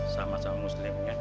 sama sama muslim ya